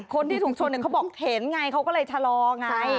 คนที่ถูกชนเขาบอกเห็นไงเขาก็เลยชะลอไง